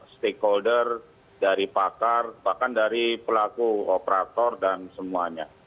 stakeholder dari pakar bahkan dari pelaku operator dan semuanya